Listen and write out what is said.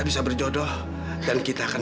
mas apa tidak cukup